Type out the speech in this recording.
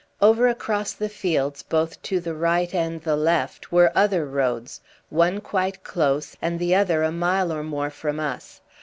Over across the fields, both to the right and the left, were other roads, one quite close, and the other a mile or more from us.